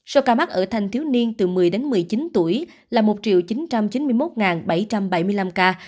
số ca mắc ở thanh thiếu niên từ một mươi đến một mươi chín tuổi là một chín trăm chín mươi một bảy trăm bảy mươi năm ca